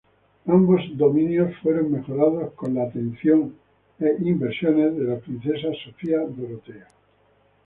Ambos dominios fueron mejorados con la atención e inversiones de la Princesa Sofía Dorotea.